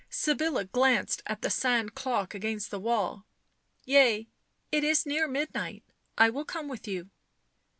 Sybilla glanced at the sand clock against the wall. II Yea, it is near midnight. I will come with you."